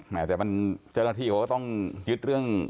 แต่มันเจ้าหน้าที่เขาก็ต้องยึดเรื่อง